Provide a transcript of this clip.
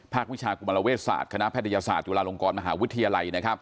วิชากุมารเวศศาสตร์คณะแพทยศาสตร์จุฬาลงกรมหาวิทยาลัย